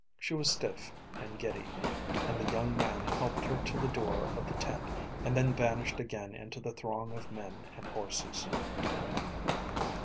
She was stiff and giddy, and the young man helped her to the door of the tent, and then vanished again into the throng of men and horses.